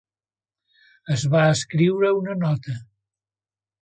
Es va escriure una nota.